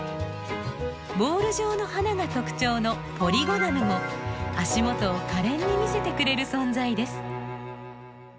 ボール状の花が特徴のポリゴナムも足元をかれんに見せてくれる存在です。